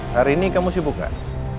hari ini kamu sibuk gak